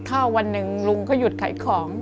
ถ้าวันหนึ่งลุงก็หยุดขายของ